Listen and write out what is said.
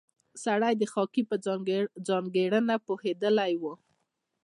سړی د خاکې په ځانګړنه پوهېدلی و.